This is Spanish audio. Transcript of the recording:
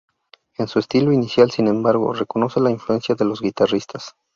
En su estilo inicial, sin embargo, reconoce la influencia de dos guitarristas.